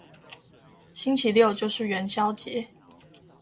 星期六就是元宵節